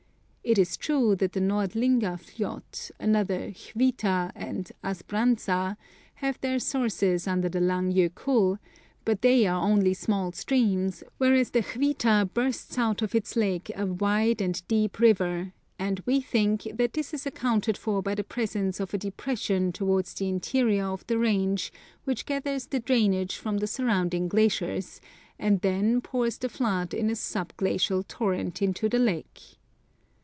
It IS true that the Nordlinga fljot, another HvitA and AsbrandsA, have their sources under the Lang Jokull, but they are only small streams, whereas the Hvitd bursts out of its lake a wide and deep river; and we think that this is accounted for by the presence of a depression towards the interior of the range which gathers the drainage from the surrounding glaciers, and then pours the flood in a sub glacial torrent into the lake.